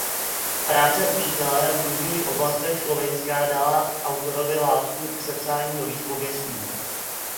Práce učitele v různých oblastech Slovinska dala autorovi látku k sepsání nových pověstí.